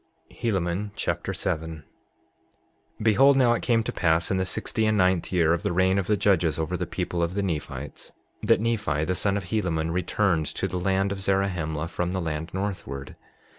Helaman Chapter 7 7:1 Behold, now it came to pass in the sixty and ninth year of the reign of the judges over the people of the Nephites, that Nephi, the son of Helaman, returned to the land of Zarahemla from the land northward.